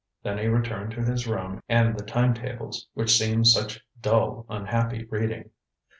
Then he returned to his room and the time tables, which seemed such dull unhappy reading.